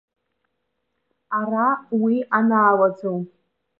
Ара уи анаалаӡом.